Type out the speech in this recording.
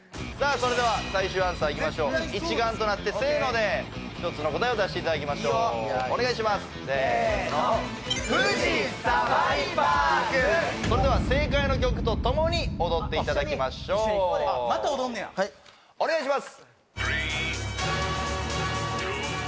それでは最終アンサーいきましょう一丸となって「せーの」で１つの答えを出していただきましょうお願いしますせーの富士サファリパークそれでは正解の曲とともに踊っていただきましょうまた踊んのやお願いします！